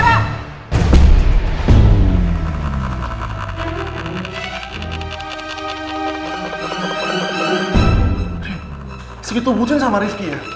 rim segitu bucin sama rizky ya